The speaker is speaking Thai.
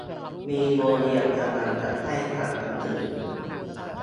มีโรงเรียนกำลังจะให้สั่งหนังสือ